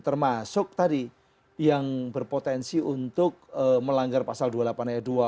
termasuk tadi yang berpotensi untuk melanggar pasal dua puluh delapan ayat dua